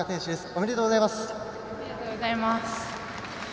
おめでとうございます。